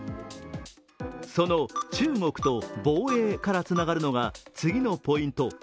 その中国と防衛からつながるのが、次のポイント。